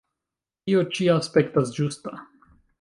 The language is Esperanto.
Tio ĉi aspektas ĝusta.